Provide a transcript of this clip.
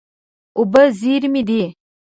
اوبه زېرمې دي.